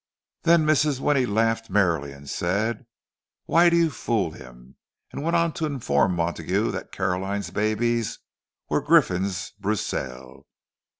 Then Mrs. Winnie laughed merrily and said, "Why do you fool him?" and went on to inform Montague that Caroline's "babies" were _griffons Bruxelloises.